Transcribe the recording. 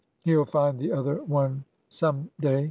He 'll find the other one some day.